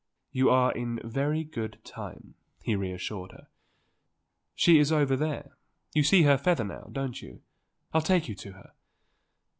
"You are in very good time," he reassured her. "She is over there you see her feather now, don't you. I'll take you to her."